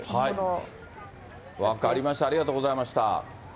分かりました、ありがとうございました。